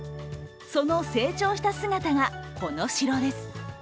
その成長した姿が、コノシロです。